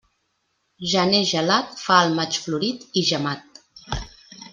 Gener gelat fa el maig florit i gemat.